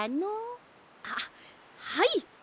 あっはい。